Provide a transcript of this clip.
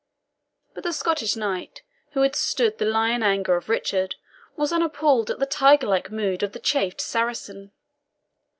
But the Scottish knight, who had stood the lion anger of Richard, was unappalled at the tigerlike mood of the chafed Saracen.